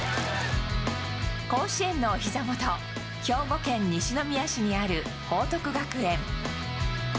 甲子園のおひざ元、兵庫県西宮市にある報徳学園。